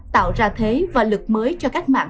tạo ra thế và lực mới cho các mạng